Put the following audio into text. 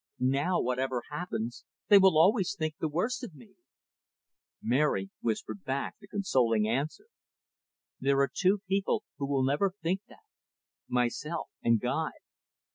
Now, whatever happens, they will always think the worst of me." Mary whispered back the consoling answer, "There are two people who will never think that, myself and Guy."